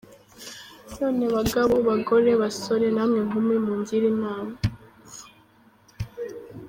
None bagabo, bagore, basore namwe nkumi mungire inama:.